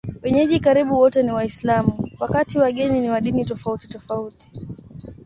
Wenyeji karibu wote ni Waislamu, wakati wageni ni wa dini tofautitofauti.